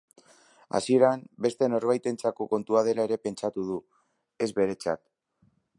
Hasieran, beste norbaitentzako kontua zela ere pentsatu du, ez beretzat.